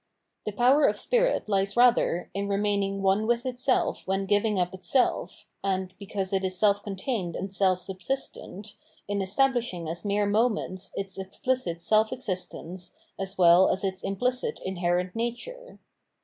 The power of spirit lies rather in remaining one with itself when giving up itself, and, because it is self contained and self subsistent, in estabhshing as mere moments its explicit self existence as well as its imphcit inherent nature.